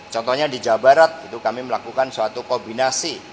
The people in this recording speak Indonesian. contohnya di jawa barat kami melakukan suatu kombinasi